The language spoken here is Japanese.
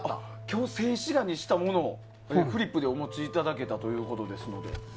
今日、静止画にしたものをフリップでお持ちいただけたということで。